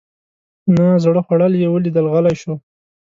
نه زړه خوړل یې ولیدل غلی شو.